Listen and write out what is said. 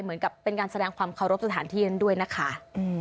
เหมือนกับเป็นการแสดงความเคารพสถานที่นั้นด้วยนะคะ